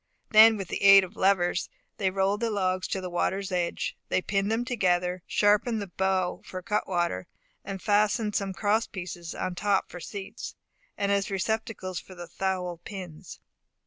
Then with the aid of levers, they rolled the logs to the water's edge; they pinned them together, sharpened the bow for a cutwater, and fastened some cross pieces on top for seats, and as receptacles for the thowl pins.